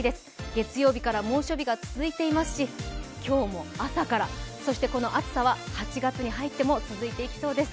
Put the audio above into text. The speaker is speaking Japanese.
月曜日から猛暑日が続いていますし今日も朝から、そしてこの暑さは８月に入っても続いていきそうです